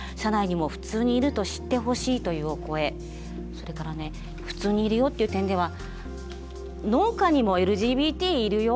それからね普通にいるよっていう点では「農家にもＬＧＢＴいるよ！」。